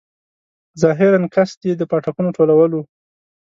ظاهراً قصد یې د پاټکونو ټولول وو.